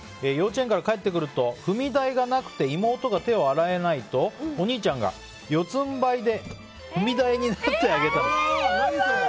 幼稚園から帰ってくると踏み台がなくて妹が手を洗えないとお兄ちゃんが四つんばいで踏み台になってあげたと。